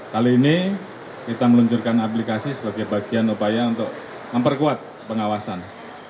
kali ini kita meluncurkan aplikasi sebagai bagian upaya untuk memperkuat pengawasan